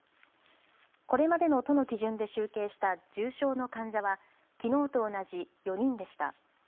これまでの都の基準で集計した重症の患者はきのうと同じ４人でした。